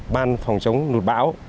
ban phòng chống nụt bão